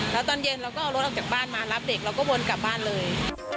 แล้วตอนเย็นเราก็เอารถออกจากบ้านมารับเด็กเราก็วนกลับบ้านเลย